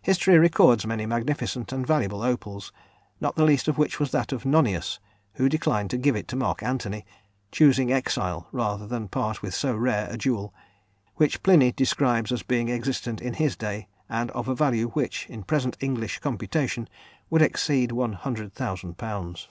History records many magnificent and valuable opals, not the least of which was that of Nonius, who declined to give it to Mark Antony, choosing exile rather than part with so rare a jewel, which Pliny describes as being existent in his day, and of a value which, in present English computation, would exceed one hundred thousand pounds.